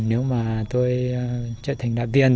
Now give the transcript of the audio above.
nếu mà tôi trở thành đại viên